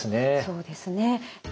そうですね。